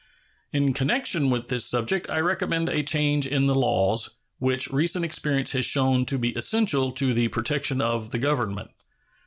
In connection with this subject I recommend a change in the laws, which recent experience has shown to be essential to the protection of the Government.